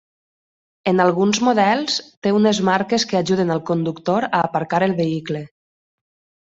En alguns models, té unes marques que ajuden al conductor a aparcar el vehicle.